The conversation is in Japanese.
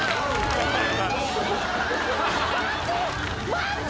待って。